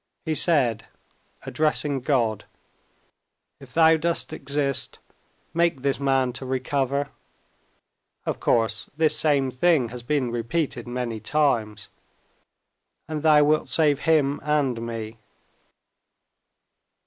He said, addressing God, "If Thou dost exist, make this man to recover" (of course this same thing has been repeated many times), "and Thou wilt save him and me."